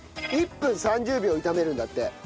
１分３０秒炒めるんだって。